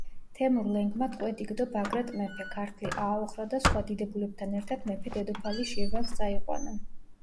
თემურ-ლენგმა ტყვედ იგდო ბაგრატ მეფე, ქართლი ააოხრა და სხვა დიდებულებთან ერთად მეფე-დედოფალი შირვანს წაიყვანა.